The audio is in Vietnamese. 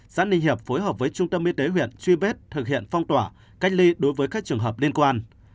xã ninh hiệp phối hợp với trung tâm y tế huyện truy vết thực hiện phong tỏa cách ly đối với các trường hợp liên quan